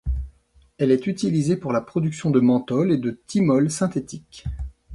Elle est utilisée pour la production de menthol et de thymol synthétiques.